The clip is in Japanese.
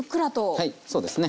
はいそうですね。